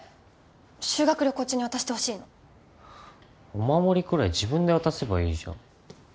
修学旅行中に渡してほしいのお守りくらい自分で渡せばいいじゃん